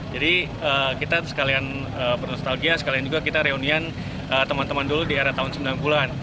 jadi kita sekalian bernostalgia sekalian juga kita reunian teman teman dulu di era tahun sembilan puluh an